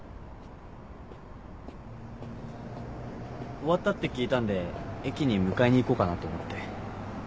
終わったって聞いたんで駅に迎えに行こうかなと思って。